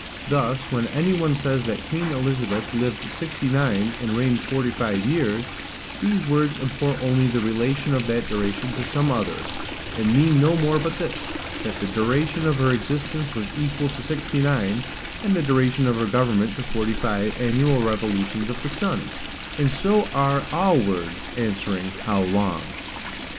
Thus, when any one says that Queen Elizabeth lived sixty nine, and reigned forty five years, these words import only the relation of that duration to some other, and mean no more but this, That the duration of her existence was equal to sixty nine, and the duration of her government to forty five annual revolutions of the sun; and so are all words, answering, HOW LONG?